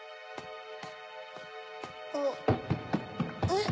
あっ。